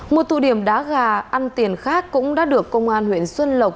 một tụ điểm đá gà ăn tiền khác cũng đã được công an huyện xuân lộc